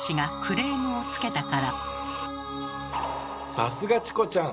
さすがチコちゃん！